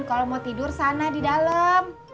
kalau mau tidur sana di dalam